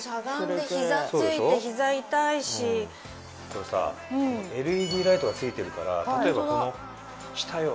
これさＬＥＤライトが付いてるから例えばこの下よ。